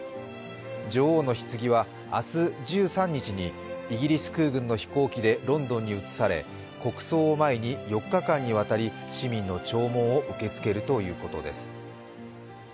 女王のひつぎは、明日１３日にイギリス空軍の飛行機でロンドンに移され国葬を前に４日間にわたり市民の弔問を受けつけるということです。